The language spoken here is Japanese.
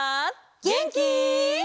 げんき？